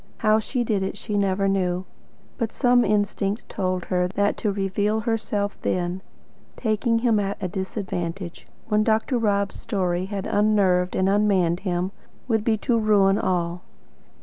How she did it she never knew. But some instinct told her that to reveal herself then, taking him at a disadvantage, when Dr. Rob's story had unnerved and unmanned him, would be to ruin all.